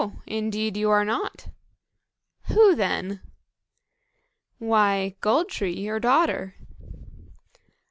indeed you are not." "Who then?" "Why, Gold tree, your daughter."